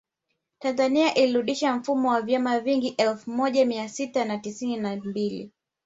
Tanzania ilirudisha mfumo wa vyama vingi elfu moja Mia tisa na tisini na mbili